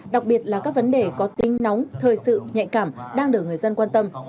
đặc biệt là các vấn đề có tính nóng thời sự nhạy cảm đang được người dân quan tâm